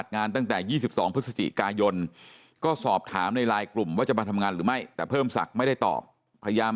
ดูประมาณเนี่ยเรื่องราวก็เรื่องลูกราวครับ